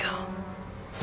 aku adalah anak kecil